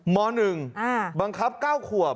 ม๑บังคับ๙ขวบ